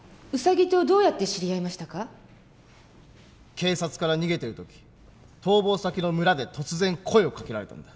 警察から逃げている時逃亡先の村で突然声をかけられたんだ。